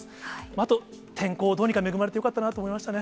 あと天候、どうにか恵まれてよかったなと思いましたね。